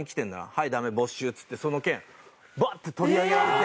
はいダメ没収」っつってその券バッて取り上げられて。